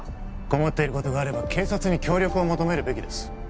困っていることがあれば警察に協力を求めるべきです